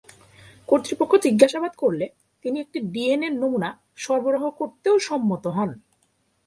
কর্তৃপক্ষ জিজ্ঞাসাবাদ করলে তিনি একটি ডিএনএ নমুনা সরবরাহ করতেও সম্মত হন।